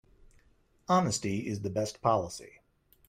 Honesty is the best policy.